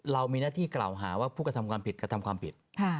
เรามีหน้าที่กล่าวหาว่าผู้กระทำความผิดกระทำความผิด